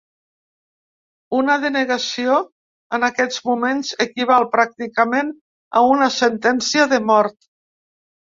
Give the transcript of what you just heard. Una denegació en aquests moments equival pràcticament a una sentència de mort.